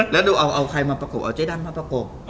แล้วดูเอาใครมาประกบเอาเจ๊ดำมาประกบ